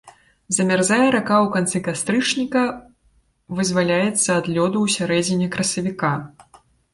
Замярзае рака ў канцы кастрычніка, вызваляецца ад лёду ў сярэдзіне красавіка.